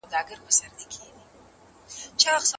خیر محمد ته د تلیفون ګړنګ د ژوند هیله ورکوله.